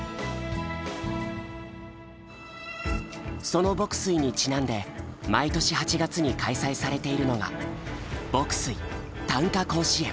その牧水にちなんで毎年８月に開催されているのが牧水・短歌甲子園。